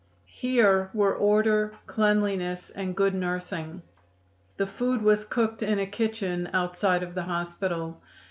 Here were order, cleanliness and good nursing. The food was cooked in a kitchen outside of the hospital.